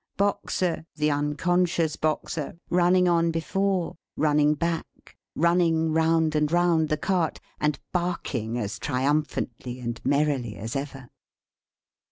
Boxer, the unconscious Boxer, running on before, running back, running round and round the cart, and barking as triumphantly and merrily as ever.